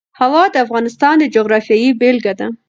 هوا د افغانستان د جغرافیې بېلګه ده.